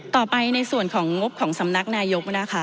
ต่อไปในส่วนของงบของสำนักนายยก